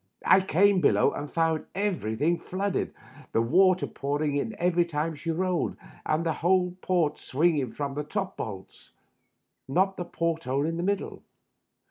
I came below and found everything flooded, the water pouring in every time she rolled, and the whole port swinging from the top bolts — not the port hole in the middle.